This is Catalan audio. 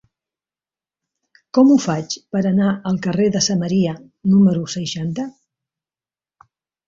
Com ho faig per anar al carrer de Samaria número seixanta?